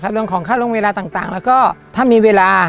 เรื่องของค่าลงเวลาต่างแล้วก็ถ้ามีเวลา